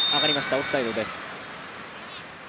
オフサイドです。